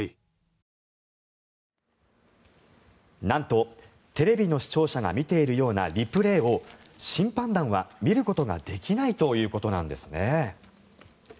なんとテレビの視聴者が見ているようなリプレーを審判団は見ることができないということなんです。